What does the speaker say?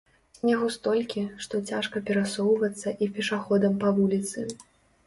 Снегу столькі, што цяжка перасоўвацца і пешаходам па вуліцы.